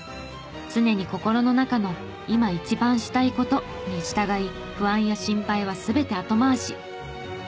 常に心の中の今一番したい事に従い不安や心配は全て後回し。